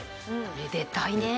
めでたいねえ。